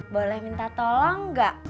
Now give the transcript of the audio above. boleh minta tolong gak